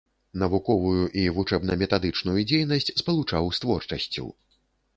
Навуковую і вучэбна-метадычную дзейнасць спалучаў з творчасцю.